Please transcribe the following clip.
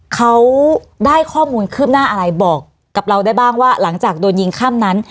เขาได้ข้อมูลคืบหน้าอะไรบอกกับเราได้บ้างว่าหลังจากโดนยิงข้ามนั้น